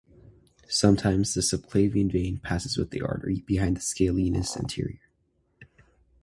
Sometimes the subclavian vein passes with the artery behind the Scalenus anterior.